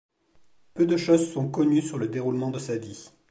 Peu de choses sont connues sur le déroulement de sa vie.